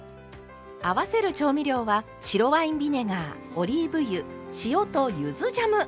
合わせる調味料は白ワインビネガーオリーブ油塩とゆずジャム！